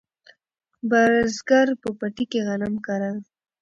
بزګر په پټي کې غنم کرل